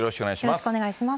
よろしくお願いします。